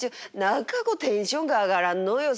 何かこうテンションが上がらんのよ。